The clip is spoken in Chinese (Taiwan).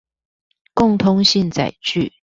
共通性載具